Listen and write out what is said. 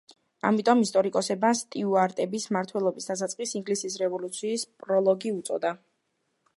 ამიტომ ისტორიკოსებმა სტიუარტების მმართველობის დასაწყისს „ინგლისის რევოლუციის პროლოგი“ უწოდა.